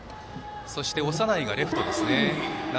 そして長内がレフトですね。